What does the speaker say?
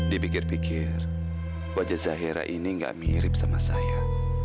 dipikir pikir wajah zahira ini gak mirip sama saya